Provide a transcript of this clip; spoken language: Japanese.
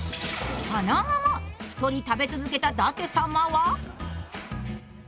その後も、一人食べ続けた舘様は？